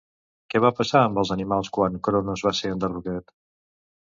Què va passar amb els animals quan Cronos va ser enderrocat?